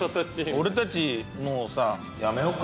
俺たちもうさやめようか。